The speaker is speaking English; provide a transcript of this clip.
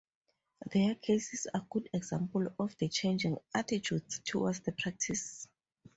Their cases are good examples of the changing attitudes toward the practice.